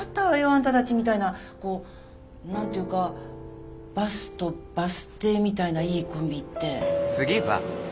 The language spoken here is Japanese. あなたたちみたいなこう何て言うかバスとバス停みたいないいコンビって。